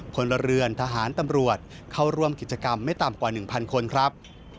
พลเรือนทหารตำรวจเข้าร่วมกิจกรรมไม่ต่ำกว่า๑๐๐คนครับ